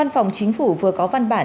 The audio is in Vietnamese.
phòng chính phủ vừa có văn bản